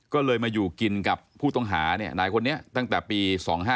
ก็เลยมาอยู่กินกับผู้ต้องหานายคนนี้ตั้งแต่ปี๒๕๕๙